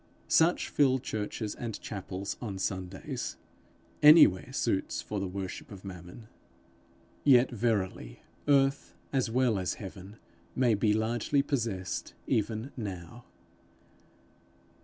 Such fill churches and chapels on Sundays: anywhere suits for the worship of Mammon. Yet verily, earth as well as heaven may be largely possessed even now.